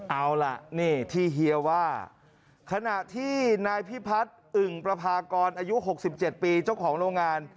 เอาละนี่ที่เฮียว่าขณะที่นายพี่พัทรอึ๋งปราพากรอายุหกสิบเจ็ดปีเจ้าของโรงงาน